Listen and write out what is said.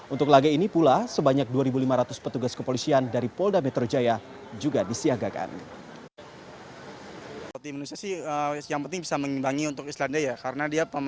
untuk laga ini pula sebanyak dua lima ratus petugas kepolisian dari polda metro jaya juga disiagakan